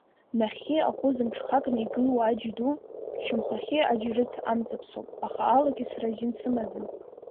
Нахьхьи ахәы зымҿхакны игылоу аџь ду, шьамхахьы аџь-рыц амҵаԥсоуп, аха алакьысра азин сымаӡам.